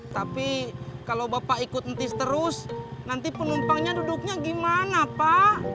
tapi kalau bapak ikut entis terus nanti penumpangnya duduknya gimana pak